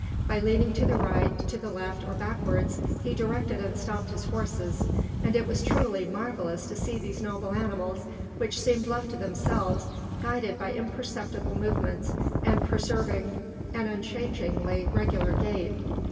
By leaning to the right, to the left or backwards, he directed and stopped his horses, and it was truly marvellous to see these noble animals, which seemed left to themselves, guided by imperceptible movements and preserving an unchangingly regular gait.